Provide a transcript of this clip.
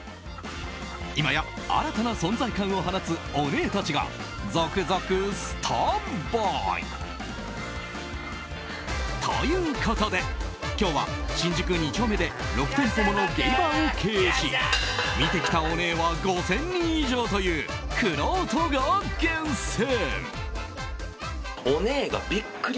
今や新たな存在感を放つオネエたちが続々スタンバイ！ということで今日は新宿２丁目で６店舗ものゲイバーを経営し見てきたオネエは５０００人以上というくろうとが厳選！